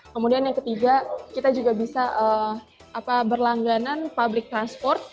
kemudian yang ketiga kita juga bisa berlangganan public transport